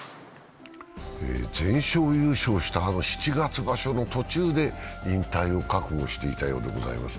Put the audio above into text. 全勝優勝した七月場所の途中で引退を覚悟していたようでございます。